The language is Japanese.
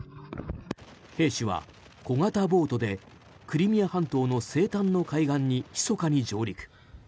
兵士は小型ボートでクリミア半島の西端の海岸にひそかに上陸。